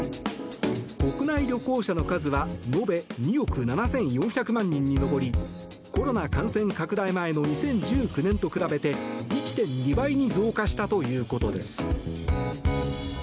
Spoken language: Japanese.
国内旅行者の数は延べ２億７４００万人に上りコロナ感染拡大前の２０１９年と比べて１．２倍に増加したということです。